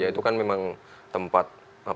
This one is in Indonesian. itu kan memang tempat